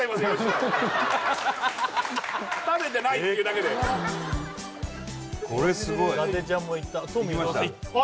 食べてないっていうだけでこれすごい伊達ちゃんもいったトミーは？